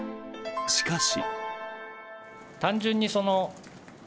しかし。